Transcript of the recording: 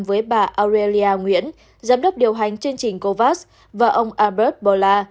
với bà aurelia nguyễn giám đốc điều hành chương trình covax và ông albert bolla